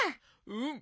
うん。